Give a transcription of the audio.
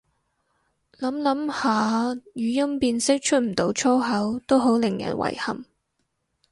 諗諗下語音辨識出唔到粗口都好令人遺憾